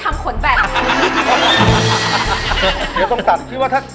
รู้ไม่ได้ก็ทำขนแบบ